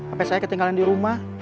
sampai saya ketinggalan di rumah